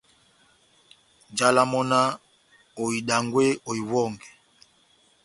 Njálá mɔ́ náh :« Ohidangwe, ohiwɔnge !»